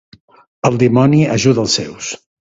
El dimoni ajuda els seus.